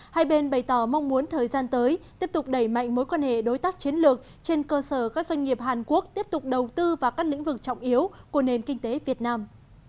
hai bên bày tỏ mong muốn thời gian tới tiếp tục đẩy mạnh mối quan hệ đối tác chiến lược trên cơ sở các doanh nghiệp hàn quốc tiếp tục đầu tư vào các lĩnh vực trọng yếu của nền kinh tế việt nam